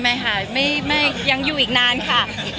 ไม่มายังเป็นมะเร็งหรืออะไรแบบนั้นค่ะ